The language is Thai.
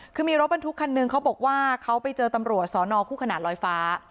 คือมีรถบรรทุกคันหนึ่งเขาบอกว่าเขาไปเจอตำรวจสอนอคู่ขนาดลอยฟ้า